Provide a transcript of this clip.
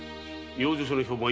養生所の評判は？